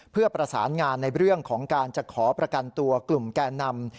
เพื่อประสานงานในเรื่องของการจะขอประกันตัวกลุ่มแก่นำ